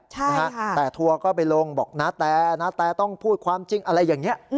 แต่ทัวร์ก็ไปลงบอกนาแตนาแตต้องพูดความจริงอะไรอย่างนี้